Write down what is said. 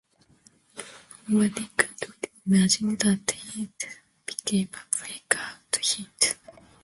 Nobody could've imagined that it'd become a breakout hit.